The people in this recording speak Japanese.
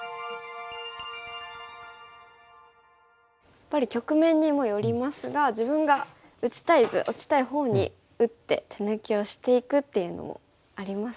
やっぱり局面にもよりますが自分が打ちたい図打ちたいほうに打って手抜きをしていくっていうのもありますね。